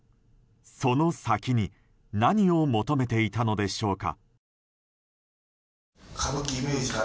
その先に何を求めていたのでしょうか。